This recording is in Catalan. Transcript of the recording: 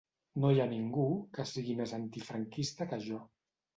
No hi ha ningú que sigui més antifranquista que jo.